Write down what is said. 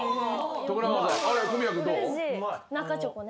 中チョコね。